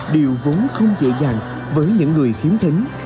điều vốn không dễ dàng với những người khiếm thính